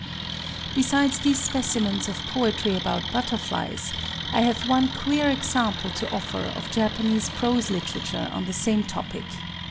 _] Besides these specimens of poetry about butterflies, I have one queer example to offer of Japanese prose literature on the same topic.